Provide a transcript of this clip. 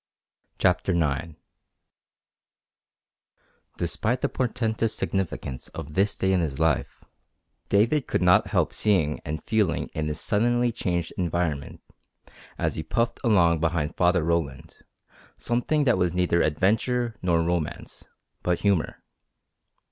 CHAPTER IX In spite of the portentous significance of this day in his life David could not help seeing and feeling in his suddenly changed environment, as he puffed along behind Father Roland, something that was neither adventure nor romance, but humour.